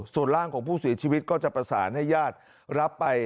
ส่วนร่างของผู้เสียชีวิตก็จะประสานให้ญาติรับไป